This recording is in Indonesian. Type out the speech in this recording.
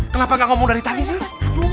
kenapa gak ngomong dari tadi sih